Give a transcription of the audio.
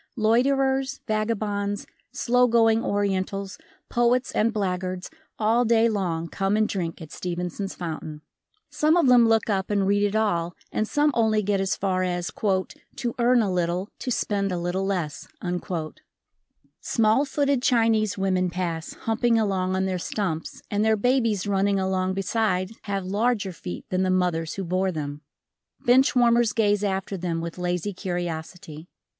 Loiterers, vagabonds, slow going Orientals, poets and blackguards, all day long come and drink at Stevenson's fountain. Some of them look up and read it all and some only get as far as "to earn a little, to spend a little less" . Small footed Chinese women pass, humping along on their stumps and their babies running along beside have larger feet than the mothers who bore them, Bench warmers gaze after them with lazy curiosity.